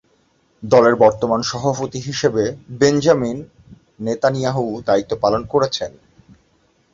দলের বর্তমান সভাপতি হিসেবে বেঞ্জামিন নেতানিয়াহু দায়িত্ব পালন করছেন।